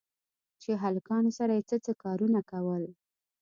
چې هلکانو سره يې څه څه کارونه کول.